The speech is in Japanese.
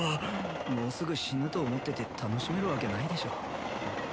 もうすぐ死ぬと思ってて楽しめるわけないでしょ